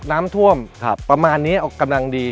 น้ำท่วมประมาณนี้กำลังดี